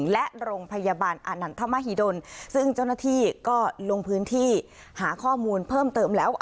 และโรงพยาบาลอานันทมหิดลซึ่งเจ้าหน้าที่ก็ลงพื้นที่หาข้อมูลเพิ่มเติมแล้ว